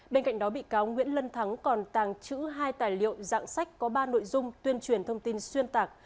bên cạnh đó bị cáo nguyễn lân thắng còn tàng trữ hai tài liệu dạng sách có ba nội dung tuyên truyền thông tin xuyên tạc